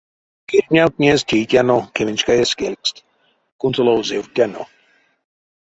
Кирнявтнезь тейтяно кеменьшка эскелькст, кунсолозевтяно.